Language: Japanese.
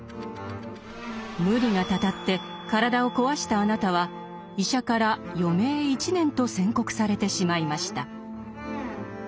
無理がたたって体を壊したあなたは医者から余命１年と宣告されてしまいました。